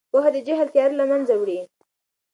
پوهه د جهل تیاره له منځه وړي.